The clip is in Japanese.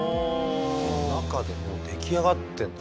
中でもう出来上がってんだな。